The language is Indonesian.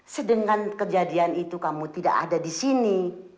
sedangkan kejadian itu kamu tidak ada di sini